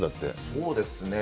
そうですね。